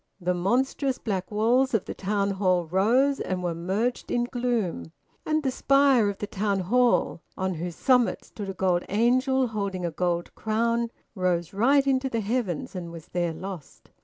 The monstrous black walls of the Town Hall rose and were merged in gloom; and the spire of the Town Hall, on whose summit stood a gold angel holding a gold crown, rose right into the heavens and was there lost.